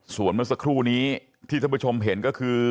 ส่วนเมื่อสักครู่นี้ที่ท่านผู้ชมเห็นก็คือ